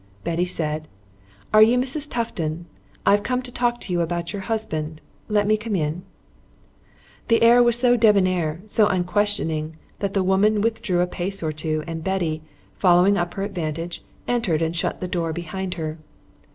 Betty said: "Are you Mrs. Tufton? I've come to talk to you about your husband. Let me come in." The attack was so debonair, so unquestioning, that the woman withdrew a pace or two and Betty, following up her advantage, entered and shut the door behind her.